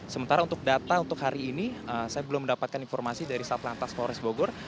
sementara untuk data untuk hari ini saya belum mendapatkan informasi dari satlantas polres bogor